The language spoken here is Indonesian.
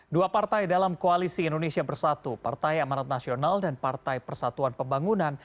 dua partai dalam koalisi indonesia bersatu partai amarat nasional dan partai persatuan pembangunan